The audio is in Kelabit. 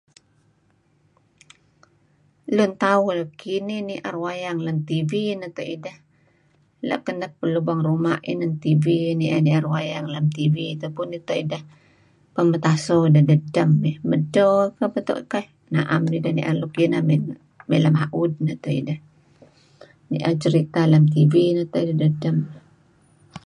Lun tauh luk inih nier wayang lem TV neto' ideh. Lem kenep lubang ruma' inan TV. Nier-nier wayang lem TV tupu neto' ideh pemataso deh dedtem. Medto beto keyh na'em neh ideh nier luk ineh. Mey lema'ud neto ideh. Nier cerita lem TV neto' ideh dedtem.